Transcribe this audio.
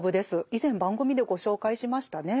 以前番組でご紹介しましたね。